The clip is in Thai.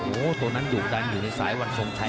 โหตัวนั้นหยุดดันอยู่ในสายวันสงชัย